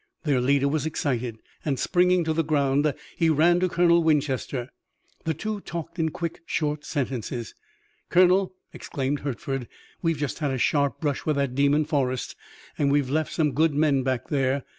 Their leader was excited, and, springing to the ground, he ran to Colonel Winchester. The two talked in quick, short sentences. "Colonel," exclaimed Hertford, "we've just had a sharp brush with that demon, Forrest, and we've left some good men back there.